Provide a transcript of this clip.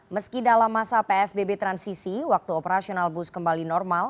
meski dalam masa psbb transisi waktu operasional bus kembali normal